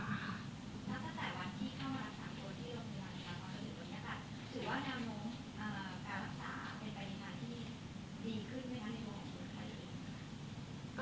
การรักษาเป็นการินาที่ดีขึ้นไหมครับในโรงคลุมไทย